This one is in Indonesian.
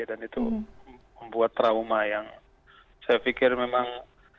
dan itu membuat trauma yang saya pikir memang